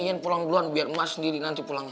ian pulang duluan biar mak sendiri nanti pulangnya